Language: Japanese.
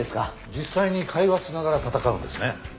実際に会話しながら戦うんですね。